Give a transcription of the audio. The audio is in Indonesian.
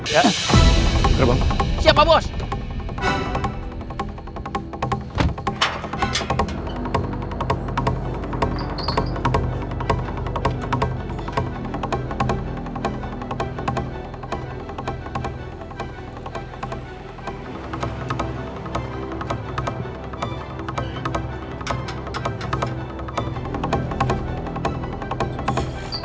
ya terima kasih